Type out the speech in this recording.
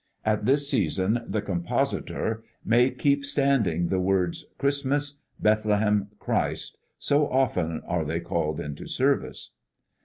At this season, the compositor may keep standing the words "Christmas," "Bethlehem," "Christ," so often are they called into service.